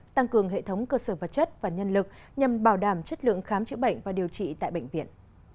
tăng cường hệ thống cơ sở vật chất và nhân lực nhằm bảo đảm chất lượng khám chữa bệnh và điều trị tại bệnh viện